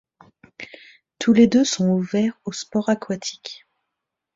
Tous les deux sont ouverts aux sports aquatiques.